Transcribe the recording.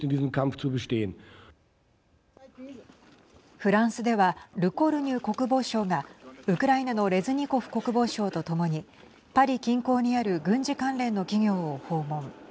フランスではルコルニュ国防相がウクライナのレズニコフ国防相と共にパリ近郊にある軍事関連の企業を訪問。